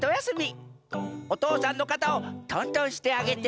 おとうさんのかたをとんとんしてあげて。